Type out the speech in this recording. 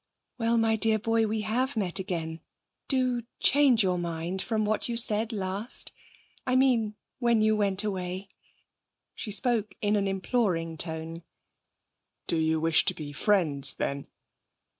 'Well, my dear boy, we have met again! Do change your mind from what you said last! I mean when you went away.' She spoke in an imploring tone. 'Do you wish to be friends, then?'